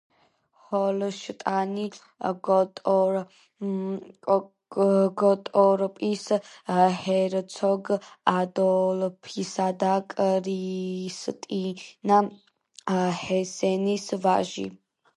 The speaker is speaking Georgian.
ჰოლშტაინ-გოტორპის ჰერცოგ ადოლფისა და კრისტინა ჰესენელის ვაჟი.